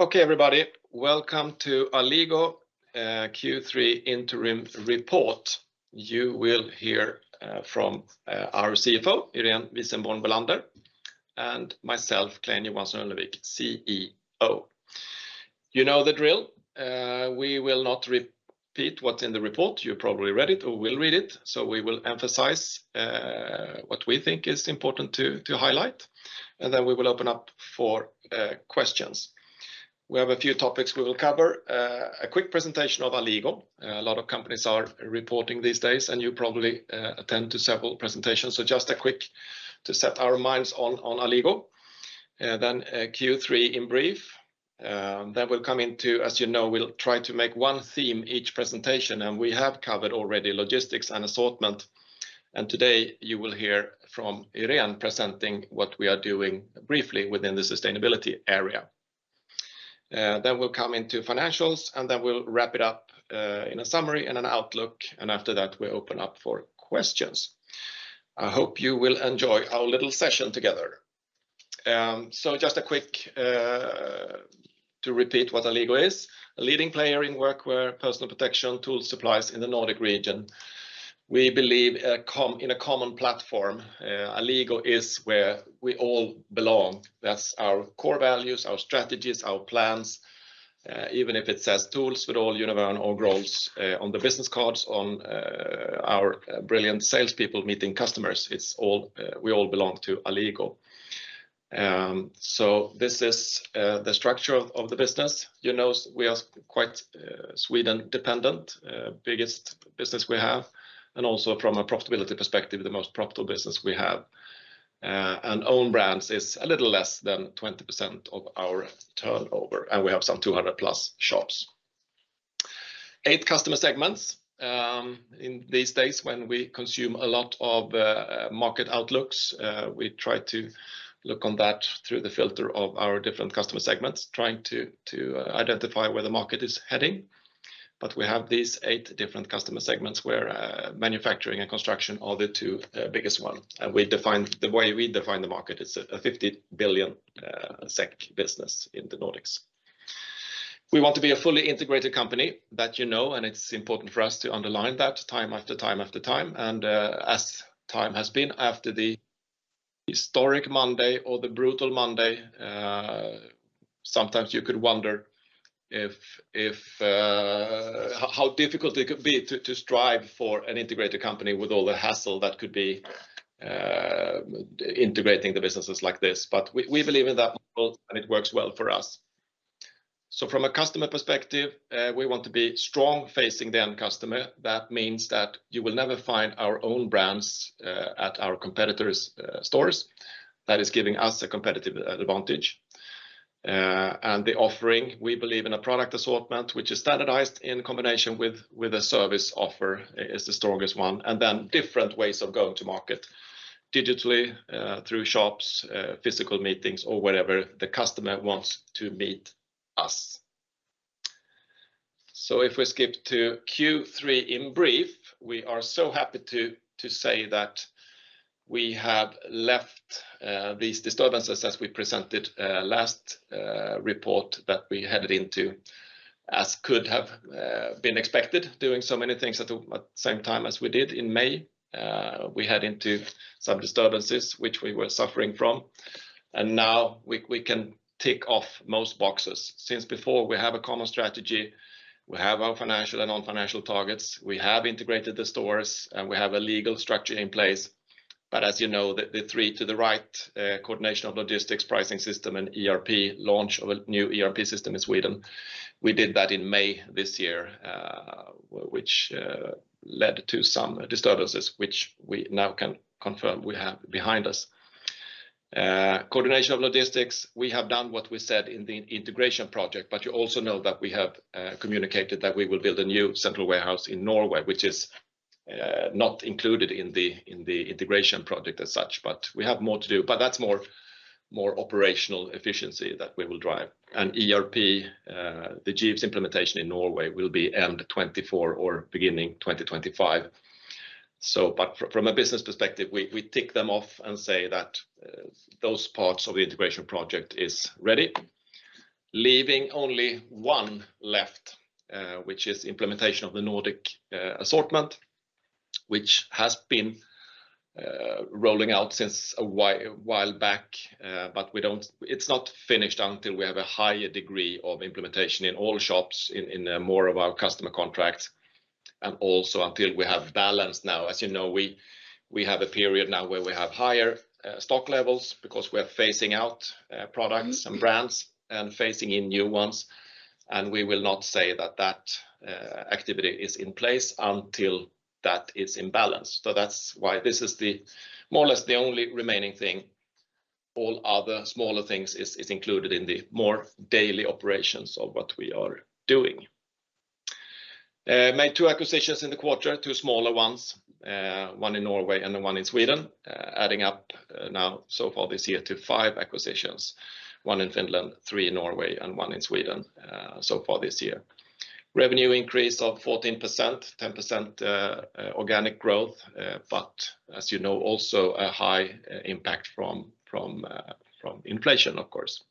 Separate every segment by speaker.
Speaker 1: Okay, everybody. Welcome to Alligo Q3 interim report. You will hear from our CFO, Irene Wisenborn Bellander, and myself, Clein Johansson Ullenvik, CEO. You know the drill. We will not repeat what's in the report. You probably read it or will read it. We will emphasize what we think is important to highlight, and then we will open up for questions. We have a few topics we will cover. A quick presentation of Alligo. A lot of companies are reporting these days, and you probably attend several presentations. Just a quick to set our minds on Alligo. Then Q3 in brief, then we'll come into. As you know, we'll try to make one theme each presentation, and we have covered already logistics and assortment. Today you will hear from Irene presenting what we are doing briefly within the sustainability area. Then we'll come into financials, and then we'll wrap it up in a summary and an outlook. After that, we'll open up for questions. I hope you will enjoy our little session together. Just a quick to repeat what Alligo is: A leading player in workwear, personal protection, tools, supplies in the Nordic region. We believe in a common platform, Alligo is where we all belong. That's our core values, our strategies, our plans. Even if it says TOOLS for all, Univern or Grolls on the business cards, on our brilliant salespeople meeting customers, it's all, we all belong to Alligo. This is the structure of the business. You know, we are quite Sweden-dependent, biggest business we have, and also from a profitability perspective, the most profitable business we have. Own brands is a little less than 20% of our turnover, and we have some 200+ shops. Eight customer segments. In these days, when we consume a lot of market outlooks, we try to look on that through the filter of our different customer segments, trying to identify where the market is heading. We have these eight different customer segments where manufacturing and construction are the two biggest one. We define the market, the way we define the market, it's a 50 billion SEK business in the Nordics. We want to be a fully integrated company that you know, and it's important for us to underline that time after time after time. As time has been after the historic Monday or the brutal Monday, sometimes you could wonder how difficult it could be to strive for an integrated company with all the hassle that could be integrating the businesses like this. We believe in that model, and it works well for us. From a customer perspective, we want to be strong facing the end customer. That means that you will never find our own brands at our competitors' stores. That is giving us a competitive advantage. The offering, we believe in a product assortment, which is standardized in combination with a service offer is the strongest one. Then different ways of going to market, digitally, through shops, physical meetings, or wherever the customer wants to meet us. If we skip to Q3 in brief, we are so happy to say that we have left these disturbances as we presented last report that we headed into, as could have been expected, doing so many things at the same time as we did in May. We head into some disturbances, which we were suffering from, and now we can tick off most boxes. Since before, we have a common strategy, we have our financial and non-financial targets, we have integrated the stores, and we have a legal structure in place. As you know, the three to the right, coordination of logistics, pricing system, and ERP launch of a new ERP system in Sweden, we did that in May this year, which led to some disturbances which we now can confirm we have behind us. Coordination of logistics, we have done what we said in the integration project, but you also know that we have communicated that we will build a new central warehouse in Norway, which is not included in the integration project as such, but we have more to do. That's more operational efficiency that we will drive. ERP, the Jeeves implementation in Norway will be end 2024 or beginning 2025. From a business perspective, we tick them off and say that those parts of the integration project is ready, leaving only one left, which is implementation of the Nordic assortment, which has been rolling out since a while back. It's not finished until we have a higher degree of implementation in all shops and in more of our customer contracts, and also until we have balance now. As you know, we have a period now where we have higher stock levels because we are phasing out products and brands and phasing in new ones, and we will not say that activity is in place until that is in balance. That's why this is more or less the only remaining thing. All other smaller things is included in the day-to-day operations of what we are doing. Made two acquisitions in the quarter, two smaller ones, one in Norway and one in Sweden, adding up now so far this year to five acquisitions, one in Finland, three in Norway, and one in Sweden, so far this year. Revenue increase of 14%, 10% organic growth, but as you know, also a high impact from inflation, of course.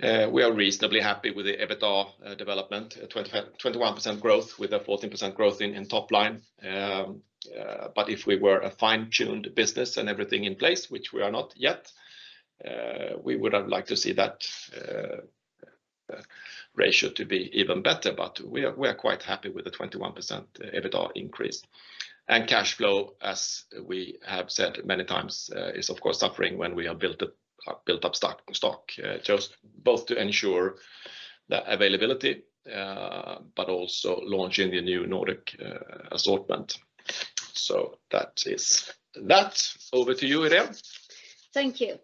Speaker 1: We are reasonably happy with the EBITDA development, 21% growth with a 14% growth in top line. But if we were a fine-tuned business and everything in place, which we are not yet, we would have liked to see that ratio to be even better. But we are quite happy with the 21% EBITDA increase. Cash flow, as we have said many times, is of course suffering when we have built up stock just both to ensure the availability, but also launching the new Nordic assortment. That is that. Over to you, Irene.
Speaker 2: Thank you.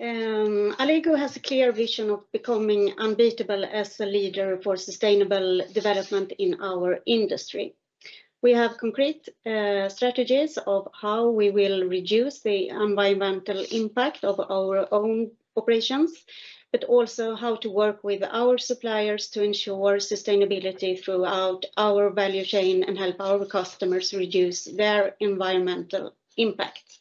Speaker 2: Alligo has a clear vision of becoming unbeatable as a leader for sustainable development in our industry. We have concrete strategies of how we will reduce the environmental impact of our own operations, but also how to work with our suppliers to ensure sustainability throughout our value chain and help our customers reduce their environmental impact.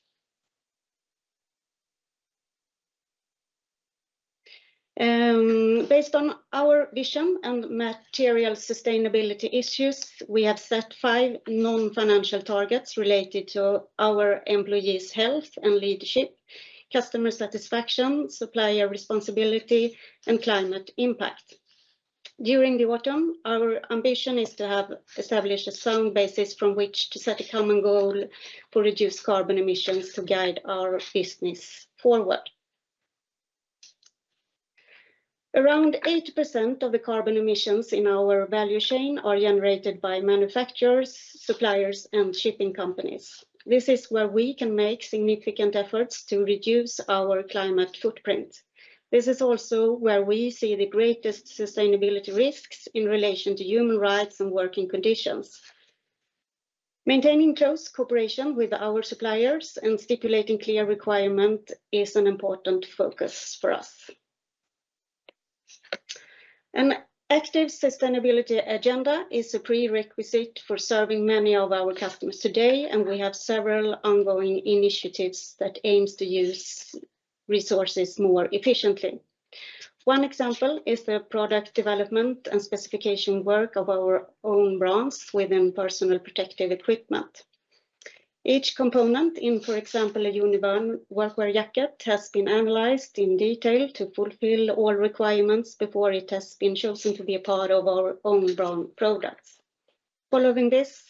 Speaker 2: Based on our vision and material sustainability issues, we have set five non-financial targets related to our employees' health and leadership, customer satisfaction, supplier responsibility, and climate impact. During the autumn, our ambition is to have established a sound basis from which to set a common goal to reduce carbon emissions to guide our business forward. Around 80% of the carbon emissions in our value chain are generated by manufacturers, suppliers, and shipping companies. This is where we can make significant efforts to reduce our climate footprint. This is also where we see the greatest sustainability risks in relation to human rights and working conditions. Maintaining close cooperation with our suppliers and stipulating clear requirement is an important focus for us. An active sustainability agenda is a prerequisite for serving many of our customers today, and we have several ongoing initiatives that aims to use resources more efficiently. One example is the product development and specification work of our own brands within personal protective equipment. Each component in, for example, a Univern workwear jacket has been analyzed in detail to fulfill all requirements before it has been chosen to be a part of our own brand products. Following this,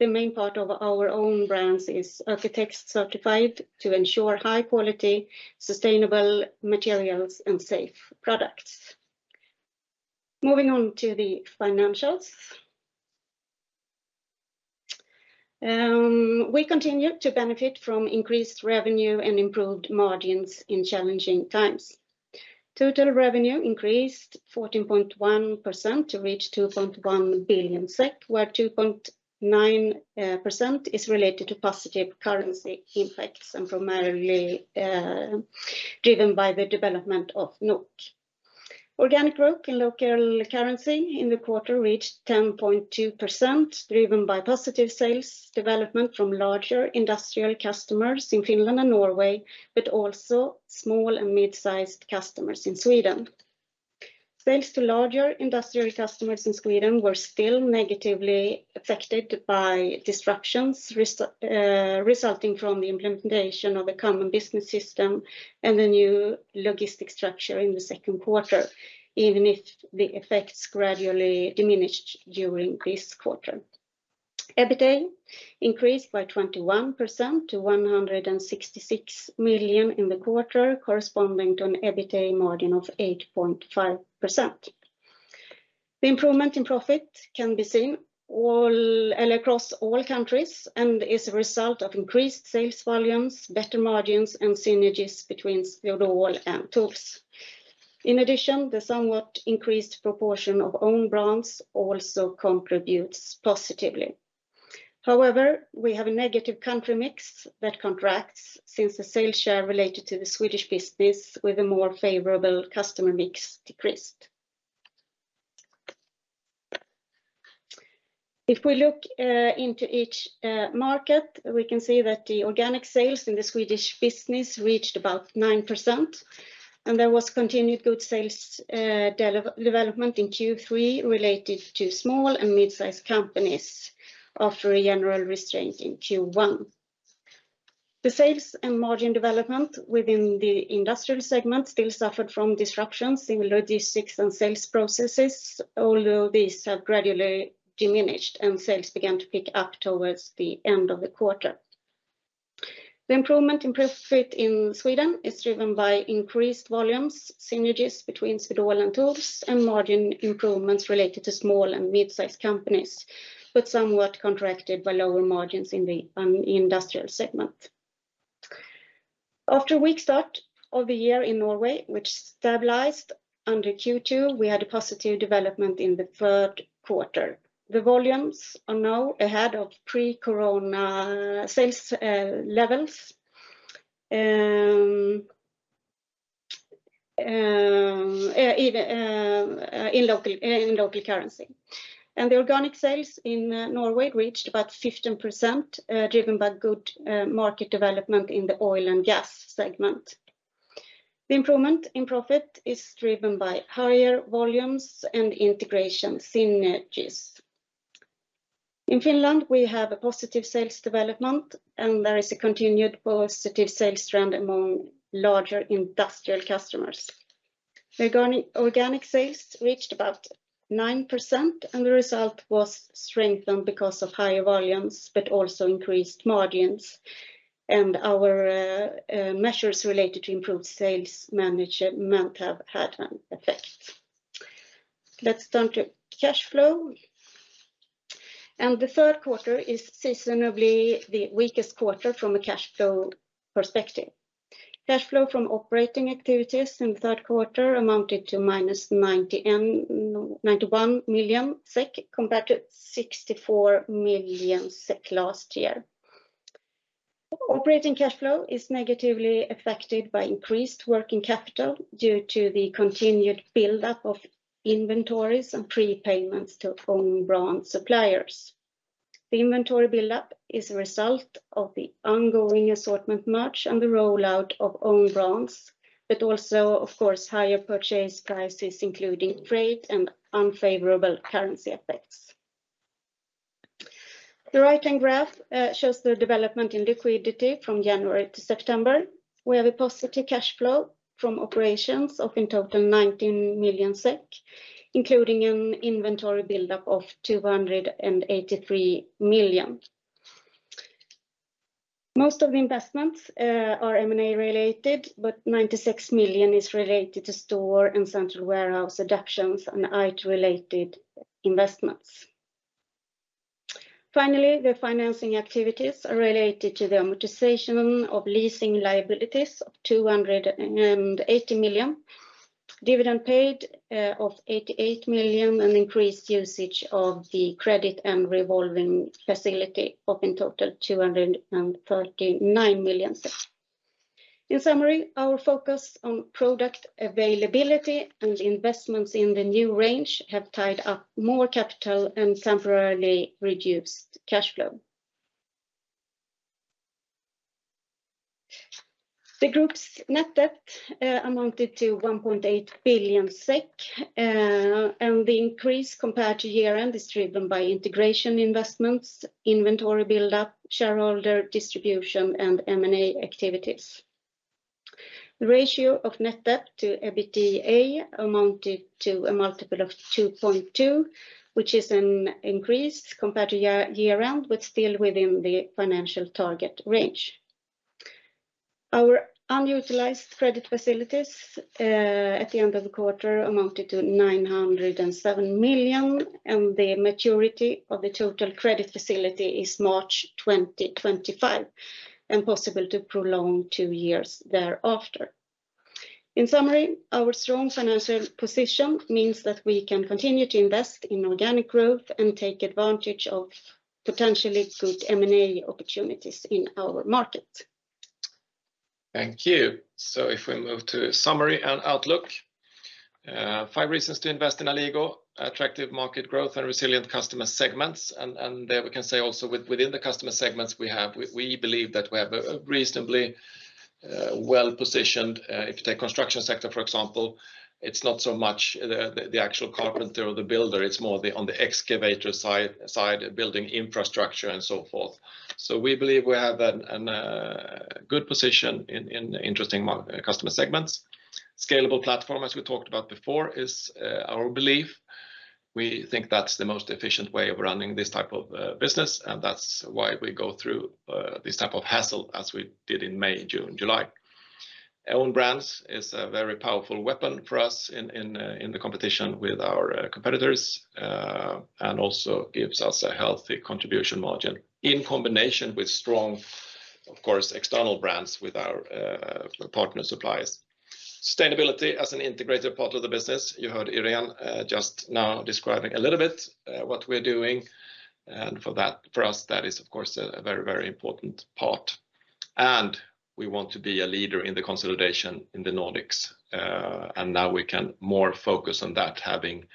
Speaker 2: the main part of our own brands is OEKO-TEX certified to ensure high quality, sustainable materials, and safe products. Moving on to the financials. We continue to benefit from increased revenue and improved margins in challenging times. Total revenue increased 14.1% to reach 2.1 billion SEK, where 2.9% is related to positive currency impacts and primarily driven by the development of NOK. Organic growth in local currency in the quarter reached 10.2%, driven by positive sales development from larger industrial customers in Finland and Norway, but also small and mid-sized customers in Sweden. Thanks to larger industrial customers in Sweden, we're still negatively affected by disruptions resulting from the implementation of a common business system and the new logistic structure in the second quarter, even if the effects gradually diminished during this quarter. EBITDA increased by 21% to 166 million in the quarter, corresponding to an EBITDA margin of 8.5%. The improvement in profit can be seen across all countries and is a result of increased sales volumes, better margins, and synergies between Swedol and TOOLS. In addition, the somewhat increased proportion of own brands also contributes positively. However, we have a negative country mix that contracts since the sales share related to the Swedish business with a more favorable customer mix decreased. If we look into each market, we can see that the organic sales in the Swedish business reached about 9%, and there was continued good sales development in Q3 related to small and mid-sized companies after a general restraint in Q1. The sales and margin development within the industrial segment still suffered from disruptions in logistics and sales processes, although these have gradually diminished and sales began to pick up towards the end of the quarter. The improvement in profit in Sweden is driven by increased volumes, synergies between Swedol and TOOLS, and margin improvements related to small and mid-sized companies, but somewhat contracted by lower margins in the industrial segment. After a weak start of the year in Norway, which stabilized during Q2, we had a positive development in the third quarter. The volumes are now ahead of pre-corona sales levels in local currency. The organic sales in Norway reached about 15%, driven by good market development in the oil and gas segment. The improvement in profit is driven by higher volumes and integration synergies. In Finland, we have a positive sales development, and there is a continued positive sales trend among larger industrial customers. The organic sales reached about 9%, and the result was strengthened because of higher volumes but also increased margins, and our measures related to improved sales management have had an effect. Let's turn to cash flow. The third quarter is seasonally the weakest quarter from a cash flow perspective. Cash flow from operating activities in the third quarter amounted to -91 million SEK compared to 64 million SEK last year. Operating cash flow is negatively affected by increased working capital due to the continued buildup of inventories and prepayments to own brand suppliers. The inventory buildup is a result of the ongoing assortment merge and the rollout of own brands, but also higher purchase prices, including freight and unfavorable currency effects. The right-hand graph shows the development in liquidity from January to September, where we positive cash flow from operations of in total 19 million SEK, including an inventory buildup of 283 million. Most of the investments are M&A related, but 96 million is related to store and central warehouse reductions and IT related investments. Finally, the financing activities are related to the amortization of leasing liabilities of 280 million, dividend paid of 88 million, and increased usage of the credit and revolving facility of in total 239 million. In summary, our focus on product availability and investments in the new range have tied up more capital and temporarily reduced cash flow. The group's net debt amounted to 1.8 billion SEK, and the increase compared to year-end is driven by integration investments, inventory buildup, shareholder distribution, and M&A activities. The ratio of net debt to EBITDA amounted to 2.2x, which is an increase compared to year-end but still within the financial target range. Our unutilized credit facilities at the end of the quarter amounted to 907 million, and the maturity of the total credit facility is March 2025 and possible to prolong 2 years thereafter. In summary, our strong financial position means that we can continue to invest in organic growth and take advantage of potentially good M&A opportunities in our market.
Speaker 1: Thank you. If we move to summary and outlook, five reasons to invest in Alligo. Attractive market growth and resilient customer segments. There we can say also within the customer segments we have, we believe that we have a reasonably well-positioned. If you take construction sector, for example, it's not so much the actual carpenter or the builder. It's more on the excavator side, building infrastructure and so forth. We believe we have an good position in interesting customer segments. Scalable platform, as we talked about before, is our belief. We think that's the most efficient way of running this type of business, and that's why we go through this type of hassle as we did in May, June, July. Own brands is a very powerful weapon for us in the competition with our competitors, and also gives us a healthy contribution margin in combination with strong, of course, external brands with our partner suppliers. Sustainability as an integrated part of the business, you heard Irene just now describing a little bit what we're doing. For that, for us, that is, of course, a very, very important part. We want to be a leader in the consolidation in the Nordics. Now we can more focus on that, having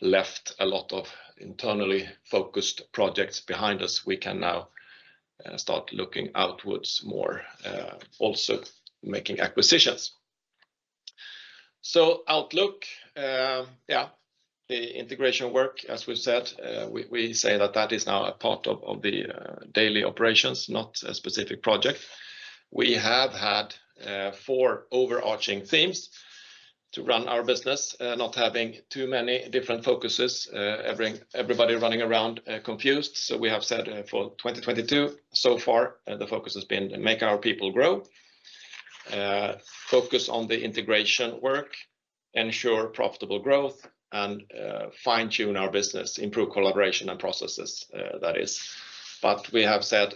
Speaker 1: left a lot of internally focused projects behind us. We can now start looking outwards more, also making acquisitions. Outlook, the integration work, as we've said, we say that that is now a part of the daily operations, not a specific project. We have had four overarching themes to run our business, not having too many different focuses, everybody running around, confused. We have said, for 2022 so far, the focus has been make our people grow, focus on the integration work, ensure profitable growth, and fine-tune our business, improve collaboration and processes, that is. We have said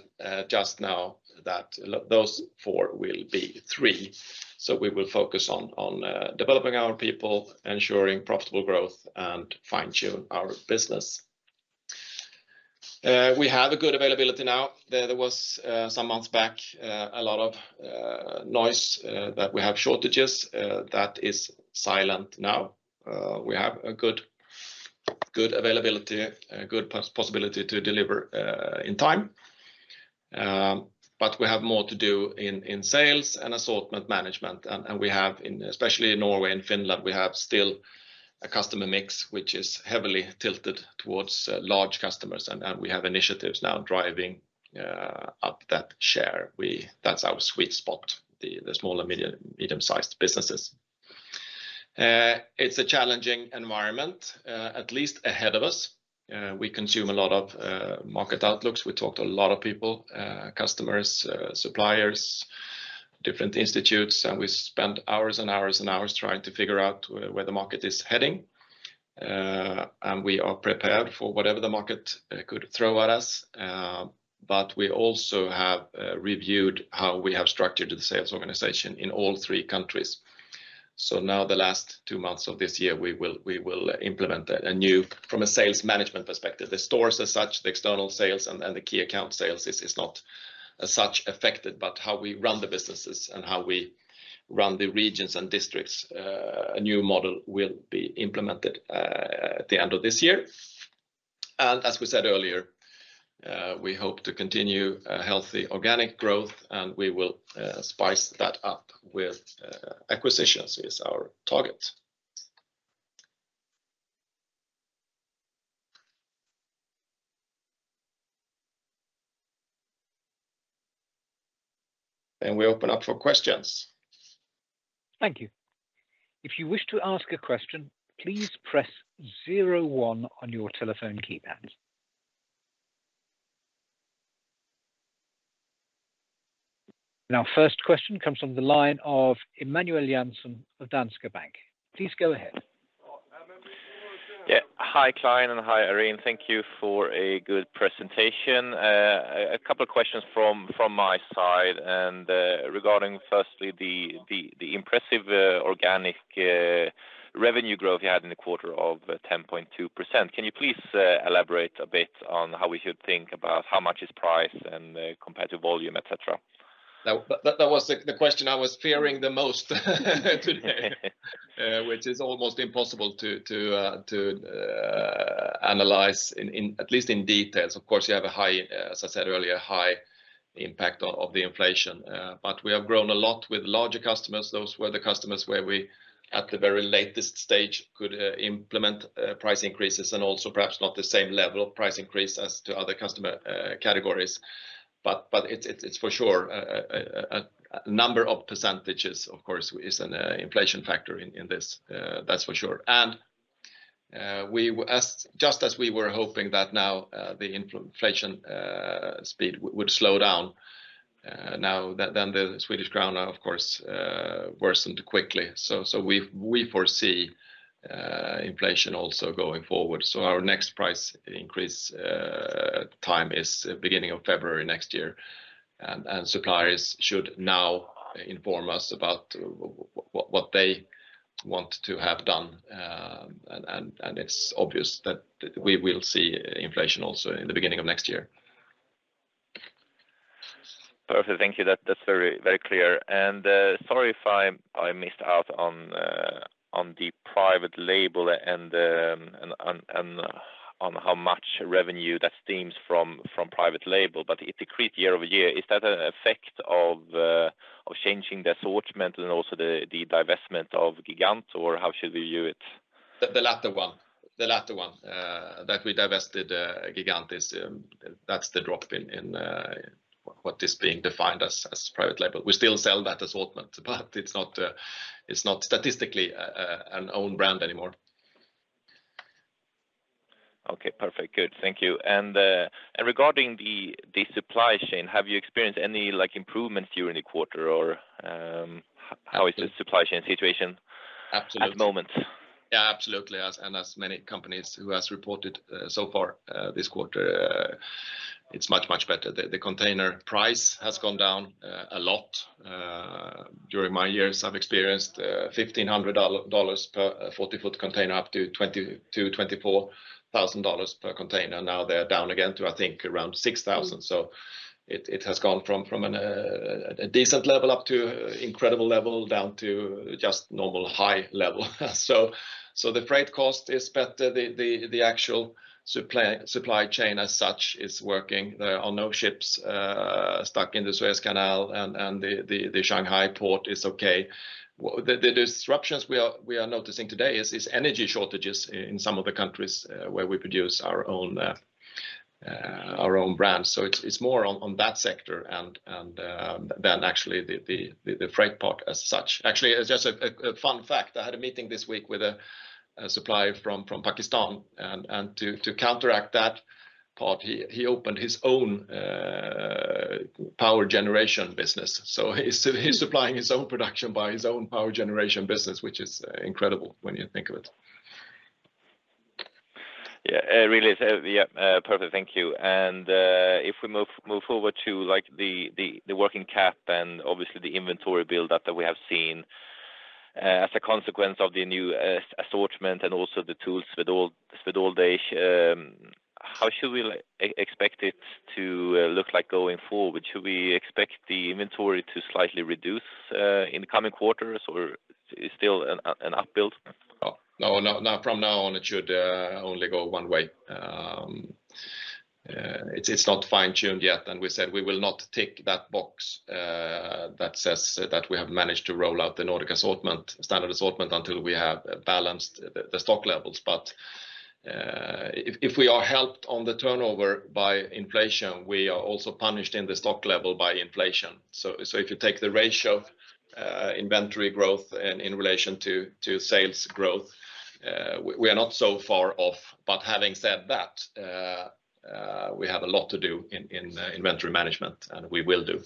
Speaker 1: just now that those four will be three. We will focus on developing our people, ensuring profitable growth, and fine-tune our business. We have a good availability now. There was some months back a lot of noise that we have shortages. That is silent now. We have a good availability, a good possibility to deliver in time. We have more to do in sales and assortment management. Especially in Norway and Finland, we have still a customer mix which is heavily tilted towards large customers. We have initiatives now driving up that share. That's our sweet spot, the small and medium-sized businesses. It's a challenging environment at least ahead of us. We consume a lot of market outlooks. We talk to a lot of people, customers, suppliers, different institutes, and we spend hours trying to figure out where the market is heading. We are prepared for whatever the market could throw at us. We also have reviewed how we have structured the sales organization in all three countries. Now the last two months of this year, we will implement from a sales management perspective. The stores as such, the external sales and the key account sales is not as such affected, but how we run the businesses and how we run the regions and districts, a new model will be implemented at the end of this year. As we said earlier, we hope to continue a healthy organic growth, and we will spice that up with acquisitions is our target. We open up for questions.
Speaker 3: Thank you. If you wish to ask a question, please press zero one on your telephone keypad. Our first question comes from the line of Emanuel Jansson of Danske Bank. Please go ahead.
Speaker 4: Yeah. Hi, Clein, and hi, Irene. Thank you for a good presentation. A couple of questions from my side and, regarding firstly the impressive organic revenue growth you had in the quarter of 10.2%. Can you please elaborate a bit on how we should think about how much is price and compared to volume, et cetera?
Speaker 1: That was the question I was fearing the most today. Which is almost impossible to analyze, at least in details. Of course, you have a high, as I said earlier, high impact of the inflation. But we have grown a lot with larger customers. Those were the customers where we at the very latest stage could implement price increases and also perhaps not the same level of price increase as to other customer categories. It's for sure a number of percentages, of course, is an inflation factor in this. That's for sure. Just as we were hoping that now, the inflation speed would slow down, now then the Swedish Krona of course worsened quickly. We foresee inflation also going forward. Our next price increase time is beginning of February next year. Suppliers should now inform us about what they want to have done. It's obvious that we will see inflation also in the beginning of next year.
Speaker 4: Perfect. Thank you. That, that's very, very clear. Sorry if I missed out on the private label and on how much revenue that stems from private label. It decreased year-over-year. Is that an effect of changing the assortment and also the divestment of Gigant? Or how should we view it?
Speaker 1: The latter one that we divested, Gigant, that's the drop in what is being defined as private label. We still sell that assortment, but it's not statistically an own brand anymore.
Speaker 4: Okay. Perfect. Good. Thank you. Regarding the supply chain, have you experienced any, like, improvements during the quarter? Or, how is the supply chain situation?
Speaker 1: Absolutely
Speaker 4: at the moment?
Speaker 1: Yeah, absolutely. As many companies who has reported so far this quarter, it's much, much better. The container price has gone down a lot. During my years, I've experienced $1,500 per 40-foot container up to $22,000-$24,000 per container. Now they're down again to I think around $6,000. It has gone from a decent level up to incredible level, down to just normal high level. The freight cost is better. The actual supply chain as such is working. There are no ships stuck in the Suez Canal, and the Shanghai port is okay. The disruptions we are noticing today is energy shortages in some of the countries where we produce our own brands. It's more on that sector and than actually the freight part as such. Actually, just a fun fact. I had a meeting this week with a supplier from Pakistan and to counteract that part, he opened his own power generation business. He's supplying his own production by his own power generation business, which is incredible when you think of it.
Speaker 4: Yeah. It really is. Perfect. Thank you. If we move over to the working capital and obviously the inventory build-up that we have seen as a consequence of the new assortment and also the TOOLS with all the. How should we expect it to look like going forward? Should we expect the inventory to slightly reduce in the coming quarters or still an up-build?
Speaker 1: No, no. From now on, it should only go one way. It's not fine-tuned yet, and we said we will not tick that box that says that we have managed to roll out the Nordic assortment, standard assortment, until we have balanced the stock levels. If we are helped on the turnover by inflation, we are also punished in the stock level by inflation. If you take the ratio of inventory growth in relation to sales growth, we are not so far off. Having said that, we have a lot to do in inventory management, and we will do.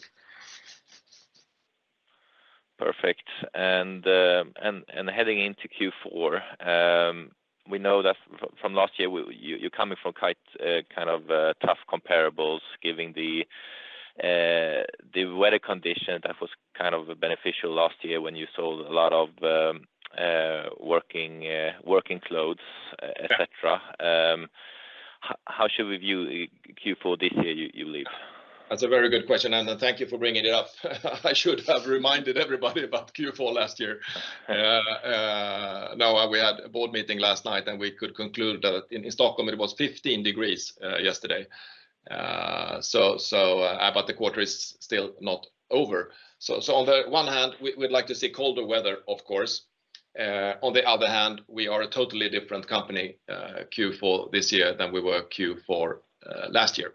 Speaker 4: Perfect. Heading into Q4, we know that from last year you're coming from quite kind of tough comparables given the weather condition that was kind of beneficial last year when you sold a lot of working clothes, et cetera.
Speaker 1: Yeah.
Speaker 4: How should we view Q4 this year you believe?
Speaker 1: That's a very good question, and thank you for bringing it up. I should have reminded everybody about Q4 last year. We had a board meeting last night, and we could conclude that in Stockholm it was 15 degrees yesterday. The quarter is still not over. On the one hand, we would like to see colder weather, of course. On the other hand, we are a totally different company Q4 this year than we were Q4 last year,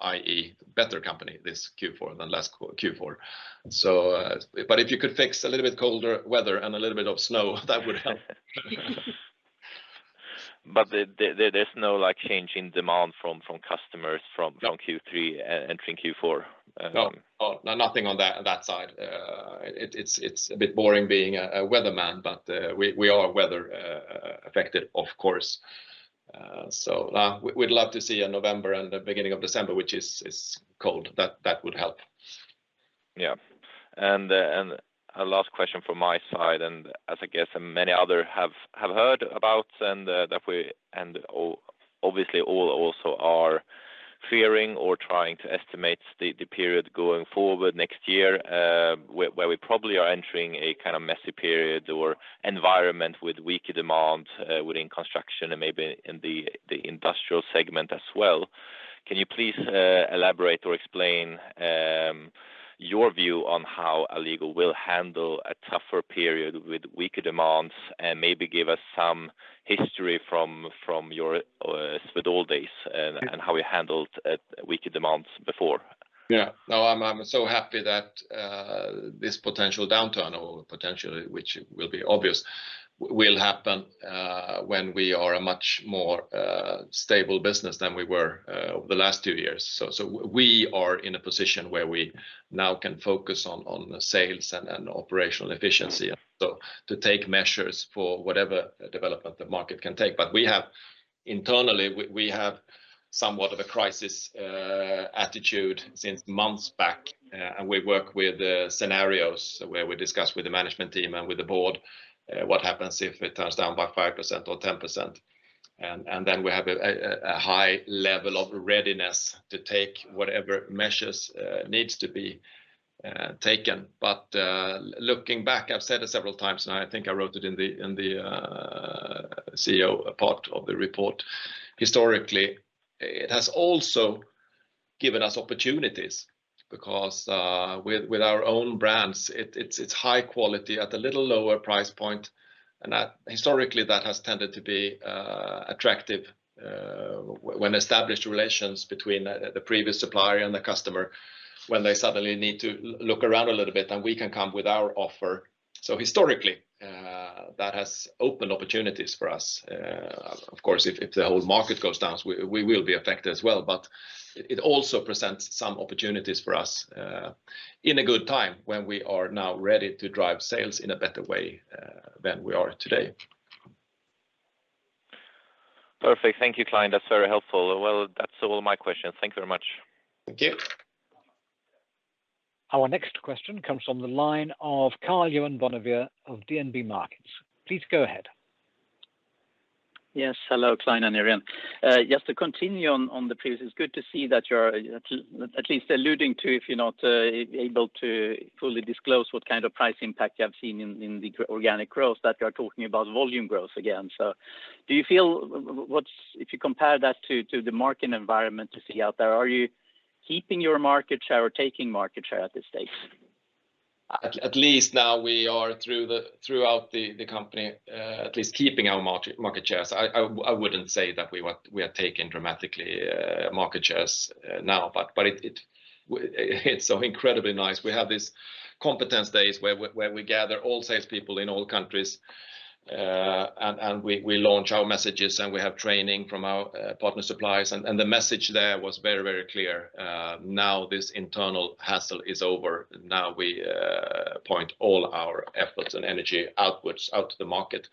Speaker 1: i.e., better company this Q4 than last Q4. If you could fix a little bit colder weather and a little bit of snow, that would help.
Speaker 4: There's no like change in demand from customers.
Speaker 1: No
Speaker 4: Q3 entering Q4?
Speaker 1: No. Oh, no, nothing on that side. It's a bit boring being a weatherman, but we are weather affected, of course. We'd love to see a November and the beginning of December which is cold. That would help.
Speaker 4: Yeah. A last question from my side, and as I guess many other have heard about and that we and obviously all also are fearing or trying to estimate the period going forward next year, where we probably are entering a kind of messy period or environment with weaker demand within construction and maybe in the industrial segment as well. Can you please elaborate or explain your view on how Alligo will handle a tougher period with weaker demands, and maybe give us some history from your Swedol days and
Speaker 1: Yeah
Speaker 4: How you handled weaker demands before?
Speaker 1: Yeah. No, I'm so happy that this potential downturn or potential, which will be obvious, will happen, when we are a much more stable business than we were the last two years. We are in a position where we now can focus on the sales and operational efficiency, so to take measures for whatever development the market can take. But we have internally, we have somewhat of a crisis attitude since months back, and we work with scenarios where we discuss with the management team and with the board what happens if it turns down by 5% or 10%. And then we have a high level of readiness to take whatever measures needs to be taken. Looking back, I've said it several times now. I think I wrote it in the CEO part of the report. Historically it has also given us opportunities because with our own brands, it's high quality at a little lower price point. That historically has tended to be attractive when established relations between the previous supplier and the customer suddenly need to look around a little bit and we can come with our offer. Historically that has opened opportunities for us. Of course, if the whole market goes down, we will be affected as well. It also presents some opportunities for us in a good time when we are now ready to drive sales in a better way than we are today.
Speaker 4: Perfect. Thank you, Clein. That's very helpful. Well, that's all my questions. Thank you very much.
Speaker 1: Thank you.
Speaker 3: Our next question comes from the line of Karl-Johan Bonnevier of DNB Markets. Please go ahead.
Speaker 5: Yes, hello, Clein and everyone. Just to continue on the previous, it's good to see that you're at least alluding to, if you're not able to fully disclose what kind of price impact you have seen in the organic growth, that you are talking about volume growth again. Do you feel what's. If you compare that to the market environment you see out there, are you keeping your market share or taking market share at this stage?
Speaker 1: At least now we are throughout the company at least keeping our market shares. I wouldn't say that we are taking dramatically market shares now. It's so incredibly nice. We have these competence days where we gather all salespeople in all countries and we launch our messages, and we have training from our partner suppliers. The message there was very clear. Now this internal hassle is over. Now we point all our efforts and energy outwards to the market.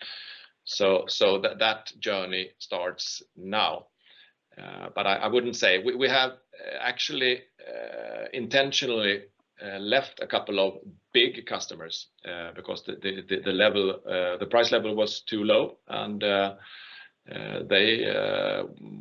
Speaker 1: That journey starts now. I wouldn't say. We have actually intentionally left a couple of big customers because the price level was too low and they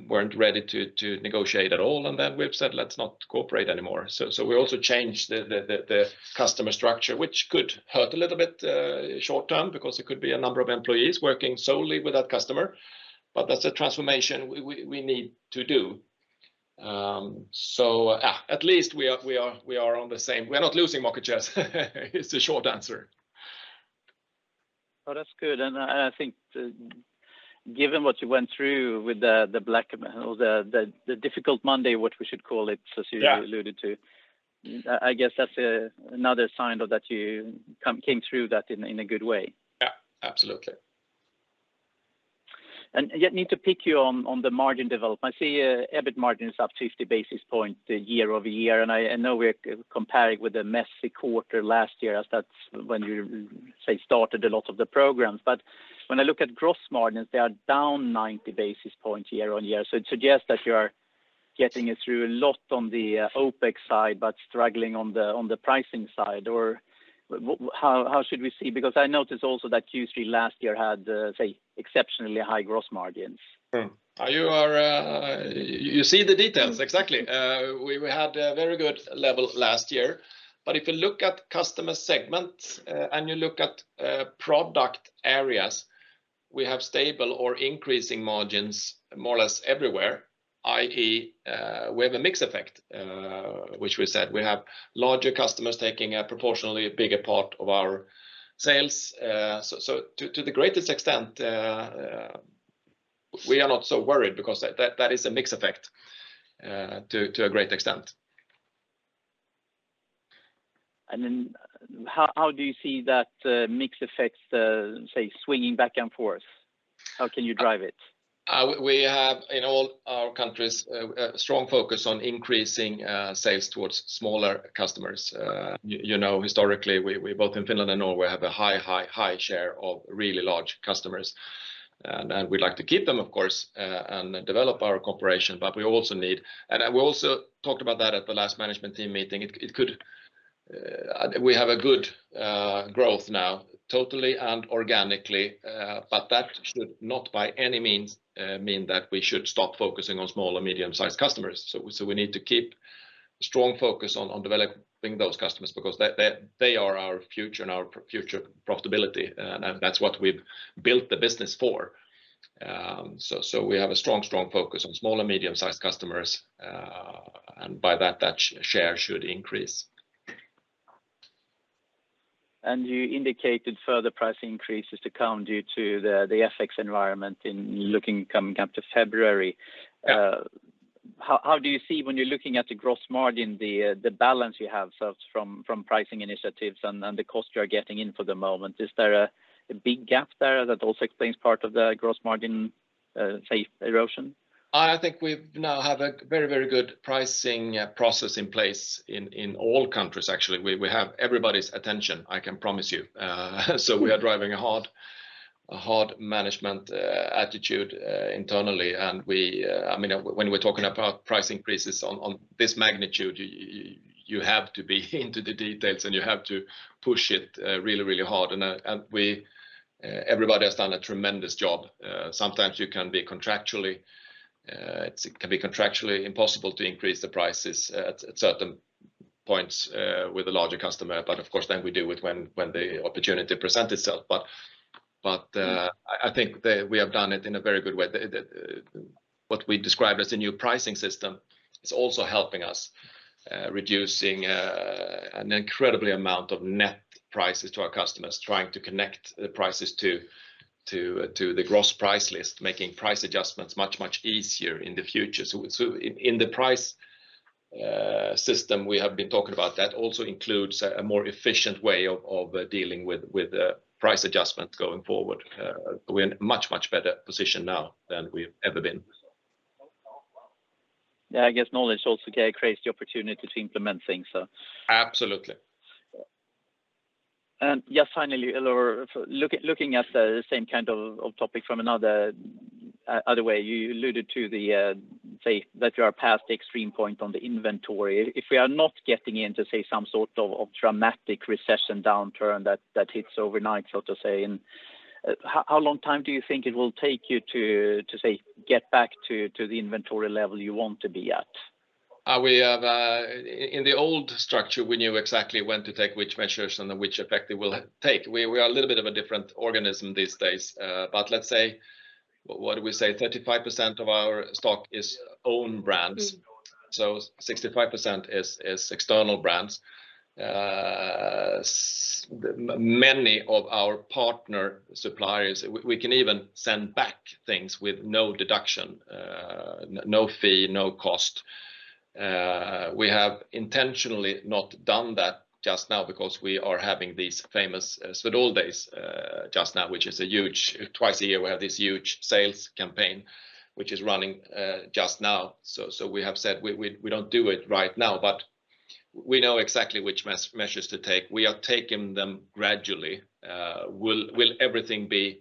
Speaker 1: weren't ready to negotiate at all. We've said, "Let's not cooperate anymore." We also changed the customer structure, which could hurt a little bit short term because there could be a number of employees working solely with that customer. That's a transformation we need to do. At least we're not losing market shares is the short answer.
Speaker 5: Oh, that's good. I think, given what you went through with the black or the difficult Monday, what we should call it.
Speaker 1: Yeah
Speaker 5: as you alluded to, I guess that's another sign though that you came through that in a good way.
Speaker 1: Yeah, absolutely.
Speaker 5: Yet I need to pick up on the margin development. I see EBIT margin is up 50 basis points year-over-year, and I know we're comparing with the messy quarter last year as that's when you say started a lot of the programs. But when I look at gross margins, they are down 90 basis points year-over-year. It suggests that you are getting it through a lot on the OPEX side but struggling on the pricing side or how should we see? Because I notice also that Q3 last year had say exceptionally high gross margins.
Speaker 1: You see the details. Exactly. We had a very good level last year, but if you look at customer segments and you look at product areas, we have stable or increasing margins more or less everywhere, i.e., we have a mix effect, which we said. We have larger customers taking a proportionally bigger part of our sales. So to the greatest extent, we are not so worried because that is a mix effect to a great extent.
Speaker 5: How do you see that mix effects, say, swinging back and forth? How can you drive it?
Speaker 1: We have in all our countries a strong focus on increasing sales towards smaller customers. You know, historically, we both in Finland and Norway have a high share of really large customers, and we'd like to keep them, of course, and develop our cooperation, but we also need. We also talked about that at the last management team meeting. We have a good growth now, totally and organically, but that should not by any means mean that we should stop focusing on small and medium-sized customers. We need to keep strong focus on developing those customers because they are our future and our future profitability, and that's what we've built the business for. We have a strong focus on small and medium-sized customers, and by that share should increase.
Speaker 5: You indicated further price increases to come due to the FX environment in looking coming up to February.
Speaker 1: Yeah.
Speaker 5: How do you see when you're looking at the gross margin, the balance you have so from pricing initiatives and the cost you are getting in for the moment? Is there a big gap there that also explains part of the gross margin, say, erosion?
Speaker 1: I think we now have a very, very good pricing process in place in all countries actually. We have everybody's attention, I can promise you. We are driving a hard management attitude internally. We, I mean, when we're talking about price increases on this magnitude you have to be into the details, and you have to push it really, really hard. Everybody has done a tremendous job. It can be contractually impossible to increase the prices at certain points with a larger customer. Of course then we do it when the opportunity present itself. I think we have done it in a very good way. What we describe as a new pricing system is also helping us reducing an incredible amount of net prices to our customers, trying to connect the prices to the gross price list, making price adjustments much easier in the future. In the price system we have been talking about, that also includes a more efficient way of dealing with price adjustments going forward. We're in much better position now than we've ever been.
Speaker 5: I guess knowledge also creates the opportunity to implement things.
Speaker 1: Absolutely.
Speaker 5: Just finally, Clein, looking at the same kind of topic from another other way, you alluded to the say that you are past the extreme point on the inventory. If we are not getting into say some sort of dramatic recession downturn that hits overnight, so to say, and how long time do you think it will take you to say get back to the inventory level you want to be at?
Speaker 1: We have in the old structure, we knew exactly when to take which measures and which effect it will take. We are a little bit of a different organism these days. Let's say, what do we say? 35% of our stock is own brands. 65% is external brands. Many of our partner suppliers, we can even send back things with no deduction, no fee, no cost. We have intentionally not done that just now because we are having these famous Swedol days just now, which is a huge sales campaign. Twice a year we have this huge sales campaign, which is running just now. We have said we don't do it right now. We know exactly which measures to take. We are taking them gradually. Will everything be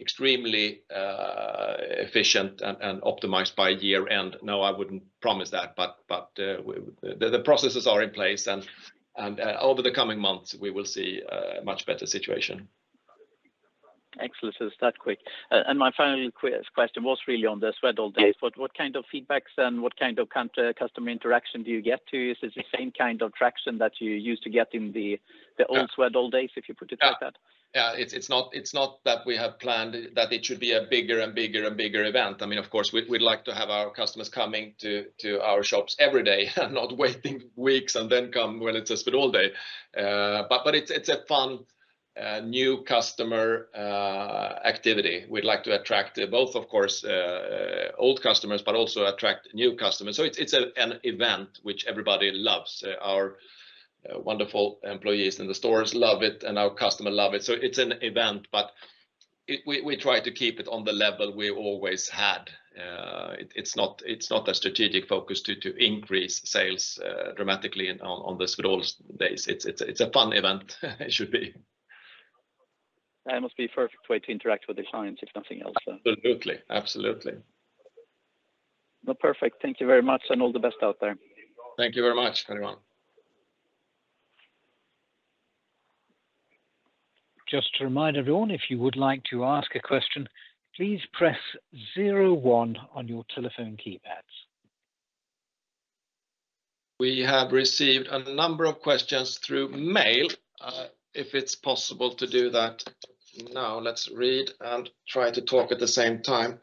Speaker 1: extremely efficient and optimized by year-end? No, I wouldn't promise that, but the processes are in place and over the coming months, we will see a much better situation.
Speaker 5: Excellent. It's that quick. My final question was really on the Swedol days.
Speaker 1: Yeah.
Speaker 5: What kind of feedbacks and what kind of customer interaction do you get to? Is this the same kind of traction that you used to get in the old-
Speaker 1: Yeah
Speaker 5: Swedol Days, if you put it like that?
Speaker 1: Yeah. It's not that we have planned that it should be a bigger and bigger and bigger event. I mean, of course, we'd like to have our customers coming to our shops every day and not waiting weeks and then come when it's a Swedol day. But it's a fun new customer activity. We'd like to attract both, of course, old customers, but also attract new customers. So it's an event which everybody loves. Our wonderful employees in the stores love it, and our customer love it, so it's an event, but we try to keep it on the level we always had. It's not a strategic focus to increase sales dramatically on the Swedol days. It's a fun event. It should be.
Speaker 5: Yeah, it must be a perfect way to interact with the clients, if nothing else, so.
Speaker 1: Absolutely.
Speaker 5: Well, perfect. Thank you very much and all the best out there.
Speaker 1: Thank you very much, everyone.
Speaker 3: Just to remind everyone, if you would like to ask a question, please press zero one on your telephone keypads.
Speaker 1: We have received a number of questions through mail, if it's possible to do that now. Let's read and try to talk at the same time.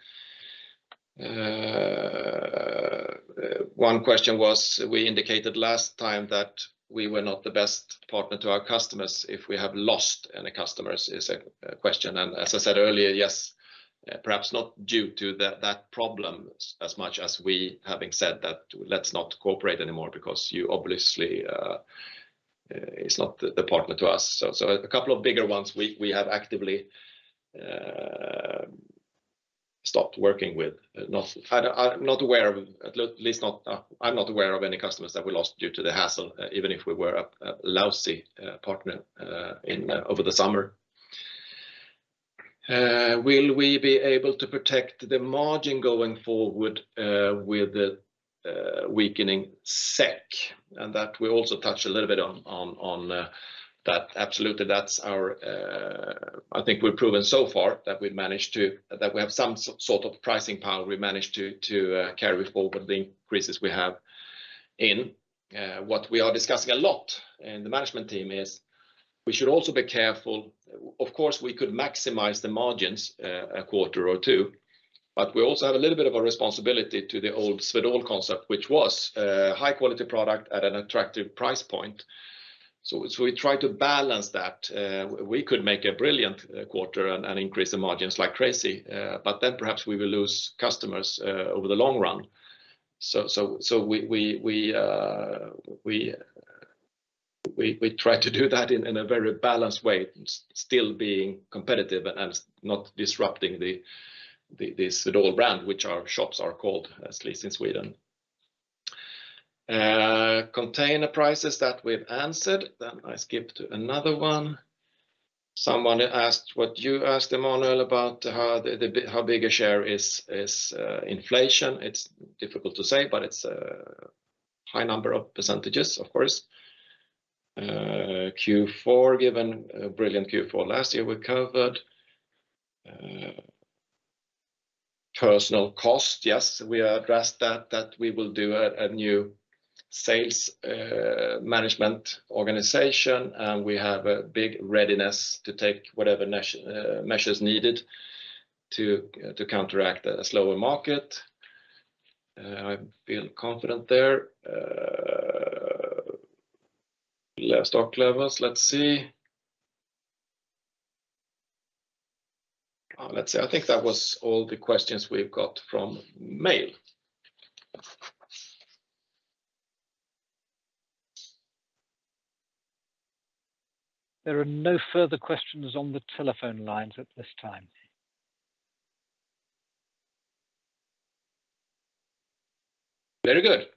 Speaker 1: One question was, we indicated last time that we were not the best partner to our customers. If we have lost any customers is a question. As I said earlier, yes, perhaps not due to that problem as much as we having said that, "Let's not cooperate anymore because you obviously is not the partner to us." So a couple of bigger ones we have actively stopped working with. I'm not aware of any customers that we lost due to the hassle, even if we were a lousy partner in over the summer. Will we be able to protect the margin going forward with the weakening SEK? That we also touched a little bit on that. Absolutely, that's our. I think we've proven so far that we have some sort of pricing power we managed to carry forward the increases we have in. What we are discussing a lot in the management team is we should also be careful. Of course, we could maximize the margins a quarter or two, but we also have a little bit of a responsibility to the old Swedol concept, which was a high-quality product at an attractive price point. We try to balance that. We could make a brilliant quarter and increase the margins like crazy, but then perhaps we will lose customers over the long run. We try to do that in a very balanced way, still being competitive and not disrupting the Swedol brand, which our shops are called, at least in Sweden. Container prices, that we've answered. I skip to another one. Someone asked what you asked, Emanuel, about how big a share is inflation. It's difficult to say, but it's a high number of percentages, of course. Q4, given a brilliant Q4 last year, we covered. Personal cost. Yes, we addressed that we will do a new sales management organization, and we have a big readiness to take whatever measures needed to counteract a slower market. I feel confident there. Low-stock levels. Let's see. I think that was all the questions we've got from mail.
Speaker 3: There are no further questions on the telephone lines at this time.
Speaker 1: Very good.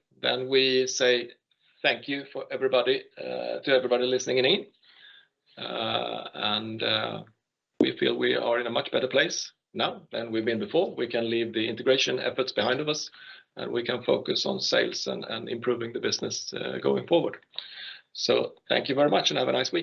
Speaker 1: We say thank you for everybody to everybody listening in. We feel we are in a much better place now than we've been before. We can leave the integration efforts behind us. We can focus on sales and improving the business going forward. Thank you very much, and have a nice week.